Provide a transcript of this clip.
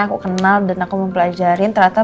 aku kenal dan aku mempelajarin ternyata